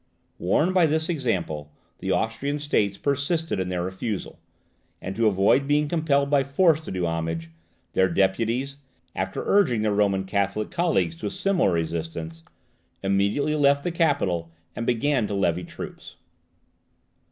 Warned by this example, the Austrian States persisted in their refusal; and, to avoid being compelled by force to do homage, their deputies (after urging their Roman Catholic colleagues to a similar resistance) immediately left the capital, and began to levy troops.